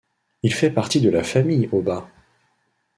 Il fait partie de la famille Obah.